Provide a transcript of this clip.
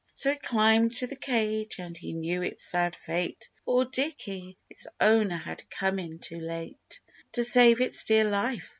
So he climbed to the cage, and he knew its sad fate ! Poor Dicky ! its owner had come in too late To save its dear life